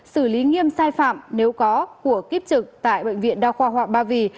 xử lý nghiêm sai phạm nếu có của kiếp trực tại bệnh viện đa khoa họa ba vì